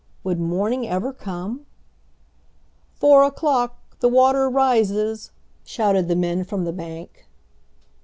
Would morning ever come? "Four o'clock the water rises!" shouted the men from the bank.